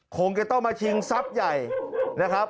คงจะต้องมาชิงทรัพย์ใหญ่นะครับ